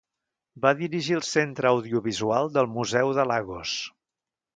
Va dirigir el Centre audiovisual del museu de Lagos.